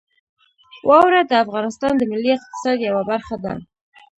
واوره د افغانستان د ملي اقتصاد یوه برخه ده.